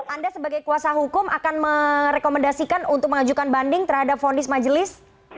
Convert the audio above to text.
anda sebagai kuasa hukum akan merekomendasikan untuk mengajukan banding terhadap fonis majelis